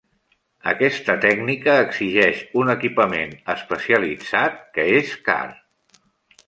Aquesta tècnica exigeix un equipament especialitzat que és car.